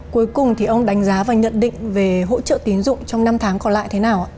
cuối cùng thì ông đánh giá và nhận định về hỗ trợ tín dụng trong năm tháng còn lại thế nào ạ